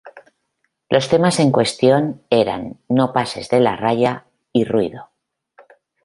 Los temas en cuestión eran "No Pases de la Raya" y "Ruido".